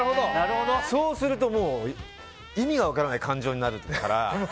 そうすると、意味が分からない感情になるから。